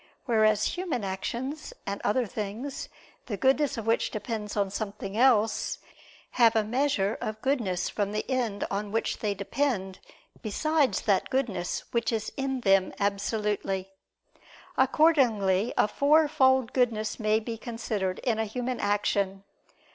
Whereas human actions, and other things, the goodness of which depends on something else, have a measure of goodness from the end on which they depend, besides that goodness which is in them absolutely. Accordingly a fourfold goodness may be considered in a human action.